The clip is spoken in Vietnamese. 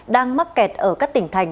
đang mắc kẹt ở các tỉnh thành